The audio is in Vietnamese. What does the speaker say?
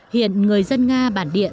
hiện người dân nga bản địa